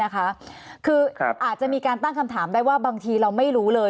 คืออาจจะมีการตั้งคำถามได้ว่าบางทีเราไม่รู้เลย